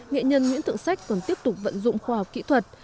nghệ nhân nguyễn thượng sách còn tiếp tục vận dụng khoa học kỹ thuật